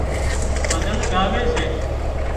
ڀزن ڳاوي سي